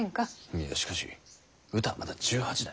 いやしかしうたはまだ１８だ。